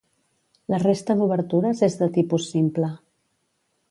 La resta d'obertures és de tipus simple.